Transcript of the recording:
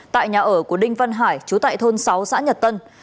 tại nhà ở của đinh văn hải chú tại thôn sáu xã nhật tân